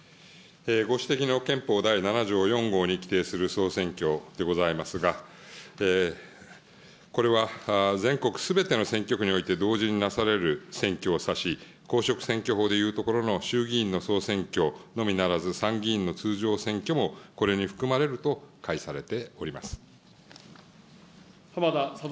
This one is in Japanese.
ご指摘の憲法第７条４号に規定する総選挙でございますが、これは全国すべての選挙区において同時になされる選挙を指し、公職選挙法でいうところの衆議院の総選挙のみならず、参議院の通常選挙もこれに含まれるとかいされております。